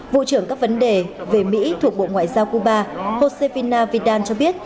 vụ trưởng các vấn đề về mỹ thuộc bộ ngoại giao cuba josefina vidal cho biết